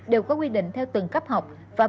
đều có quy định theo từng cấp học